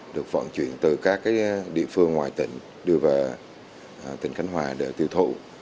được vận chuyển từ các địa phương ngoài tỉnh đưa vào tỉnh khánh hòa để tiêu thụ